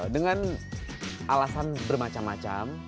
dengan alasan bermacam macam